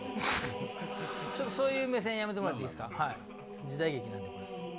そういう目線やめてもらっていいですか。